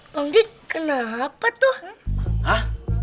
bangjit kenapa tuh